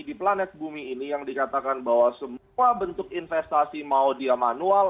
di planet bumi ini yang dikatakan bahwa semua bentuk investasi mau dia manual